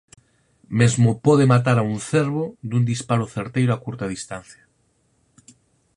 Mesmo pode matar a un cervo dun disparo certeiro a curta distancia.